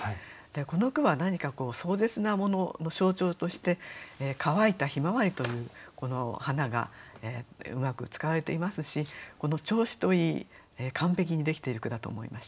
この句は何か壮絶なものの象徴としてかわいた向日葵という花がうまく使われていますしこの調子といい完璧にできている句だと思いました。